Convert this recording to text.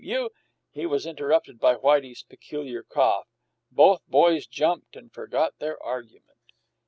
You " He was interrupted by Whitey's peculiar cough. Both boys jumped and forgot their argument.